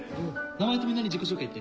名前とみんなに自己紹介言って。